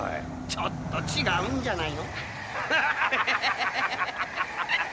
ちょっと違うんじゃない？